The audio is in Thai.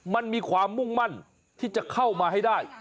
มันมีความมุ่งมั่นที่จะเข้ามาให้ได้